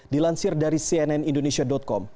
dilansir dari cnn indonesia com